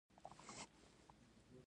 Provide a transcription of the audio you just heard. د مغز لپاره خواړه اړین دي